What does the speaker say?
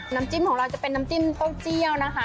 น้ำจิ้มของเราจะเป็นน้ำจิ้มเต้าเจียวนะคะ